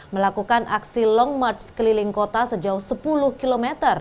melakukan aksi long march keliling kota sejauh sepuluh km